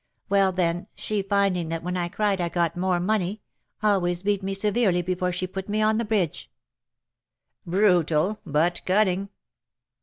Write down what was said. Well, then, she finding that when I cried I got most money, always beat me severely before she put me on the bridge." "Brutal, but cunning."